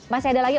masih ada lagi